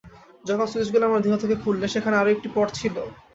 যখন সুইচগুলো আমার দেহ থেকে খুললে, সেখানে আরো একটা পড ছিল?